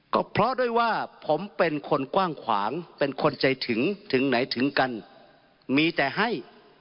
ก็เพราะด้วยว่าผมเป็นคนกว้างขวางเป็นคนใจถึงถึงไหนถึงกันมีแต่ให้